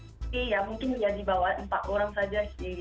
tapi ya mungkin dibawa empat orang saja sih